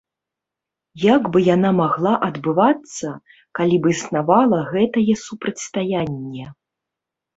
Як бы яна магла адбывацца, калі б існавала гэтае супрацьстаянне.